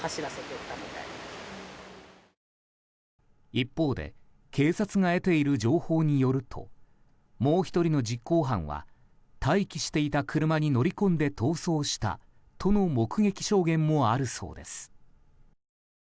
一方で警察が得ている情報によるともう１人の実行犯は待機していた車に乗り込んで逃走したとの目撃証言もあるそうです。